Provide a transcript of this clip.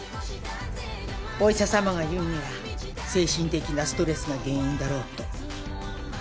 お医者さまが言うには精神的なストレスが原因だろうと。